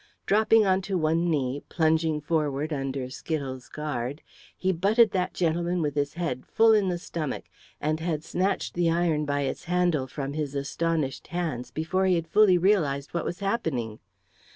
Dropping on to one knee, plunging forward under Skittles' guard, he butted that gentleman with his head full in the stomach, and had snatched the iron by its handle from his astonished hands before he had fully realised what was happening.